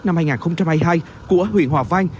năm hai nghìn hai mươi hai của huyện hòa vang